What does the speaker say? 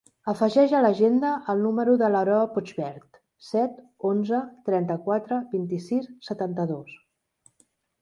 Afegeix a l'agenda el número de l'Aroa Puigvert: set, onze, trenta-quatre, vint-i-sis, setanta-dos.